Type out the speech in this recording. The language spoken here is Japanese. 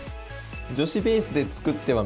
女子ベースで作ってはみた。